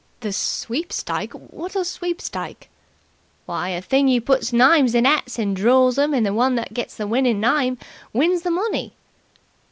"The sweepstike? What's a sweepstike?" "Why, a thing you puts names in 'ats and draw 'em and the one that gets the winning name wins the money."